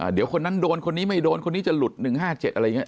เดี๋ยวคนนั้นโดนคนนี้ไม่โดนคนนี้จะหลุด๑๕๗อะไรอย่างนี้